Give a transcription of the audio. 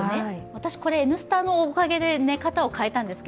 私、これ「Ｎスタ」のおかげで寝方を変えました。